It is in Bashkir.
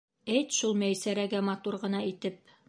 Әйт шул Мәйсәрәгә матур ғына итеп!